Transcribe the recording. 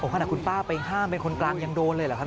ขนาดคุณป้าไปห้ามเป็นคนกลางยังโดนเลยเหรอครับ